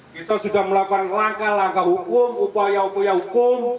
kita sudah melakukan langkah langkah hukum upaya upaya hukum